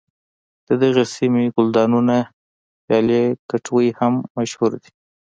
د دغې سیمې ګلدانونه پیالې کټوۍ هم مشهور دي.